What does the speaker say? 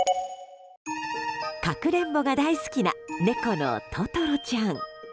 かくれんぼが大好きな猫のととろちゃん。